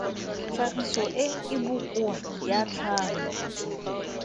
Tlhagiso e e bokoa ya tlhamo.